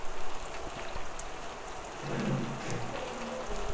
Často se zde nacházejí různé jeskyně.